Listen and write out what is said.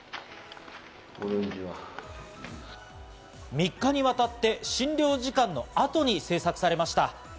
３日にわたって診療時間の後に制作されました。